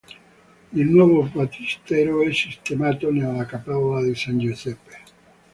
Il nuovo battistero è sistemato nella cappella di San Giuseppe.